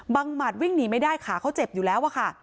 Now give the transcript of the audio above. หมัดวิ่งหนีไม่ได้ขาเขาเจ็บอยู่แล้วอะค่ะ